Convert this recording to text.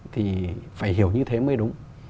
thì phải hiểu như thế mới đúng